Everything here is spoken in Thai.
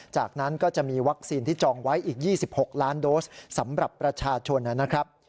จากนั้นก็จะมีวัคซีนที่จองไว้อีก๒๖ล้านโดสสำหรับประชาชนนะครับ